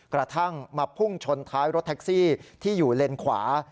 กระทั่งมาพุ่งชนท้ายรถแท็กซี่ที่อยู่เลนขวา